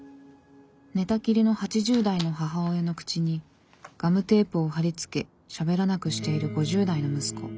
寝たきりの８０代の母親の口にガムテープを貼り付けしゃべらなくしている５０代の息子。